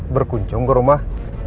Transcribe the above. berkunjung ke rumah